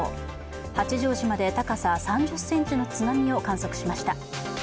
八丈島で高さ３０ｃｍの津波を観測しました。